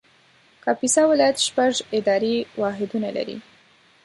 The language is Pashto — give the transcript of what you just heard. کاپیسا ولایت شپږ اداري واحدونه لري